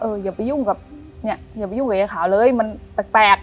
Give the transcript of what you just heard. อย่าไปยุ่งกับเนี่ยอย่าไปยุ่งกับยายขาวเลยมันแปลก